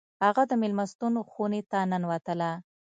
هغه د میلمستون خونې ته ننوتله